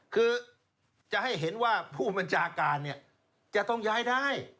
คือจะให้เห็นว่าผู้บัญชาการเนี่ยจะต้องย้ายได้